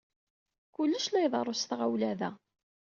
Kullec la iḍerru s tɣawla, da.